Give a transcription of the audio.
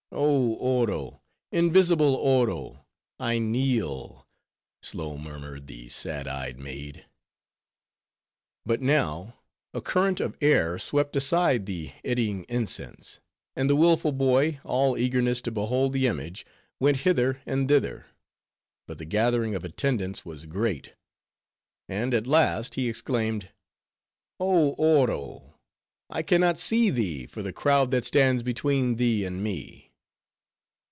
"Oh Oro! invisible Oro! I kneel," slow murmured the sad eyed maid. But now, a current of air swept aside the eddying incense; and the willful boy, all eagerness to behold the image, went hither and thither; but the gathering of attendants was great; and at last he exclaimed, "Oh Oro! I can not see thee, for the crowd that stands between thee and me."